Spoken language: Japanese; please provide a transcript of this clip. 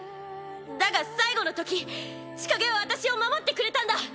だが最後のとき千景は私を守ってくれたんだ。